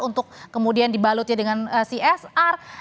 untuk kemudian dibalutnya dengan csr